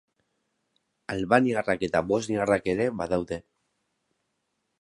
Albaniarrak eta bosniarrak ere badaude.